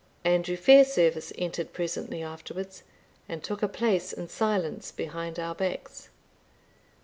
Andrew Fairservice entered presently afterwards, and took a place in silence behind our backs.